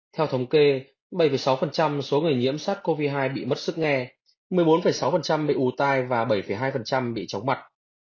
theo thống kê bảy sáu số người nhiễm sắc covid một mươi chín bị mất sức nghe một mươi bốn sáu bị ủ tai và bảy hai bị chóng mặt